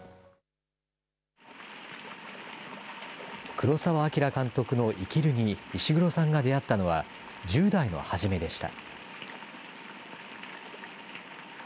黒澤明監督の生きるにイシグロさんが出会ったのは、１０代の初めでした。